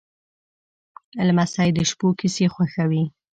لمسی د شپو کیسې خوښوي.